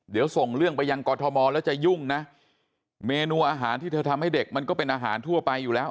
เดี๋ยวส่งเรื่องไปยังกรทมแล้วจะยุ่งนะเมนูอาหารที่เธอทำให้เด็กมันก็เป็นอาหารทั่วไปอยู่แล้ว